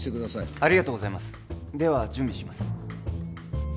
ありがとうございますでは準備します